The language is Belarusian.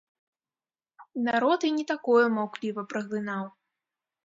Народ і не такое маўкліва праглынаў.